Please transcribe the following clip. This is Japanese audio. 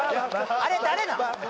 あれ誰なん？